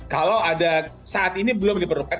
kalau ada saat ini belum diperlukan